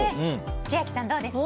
千秋さん、どうですか？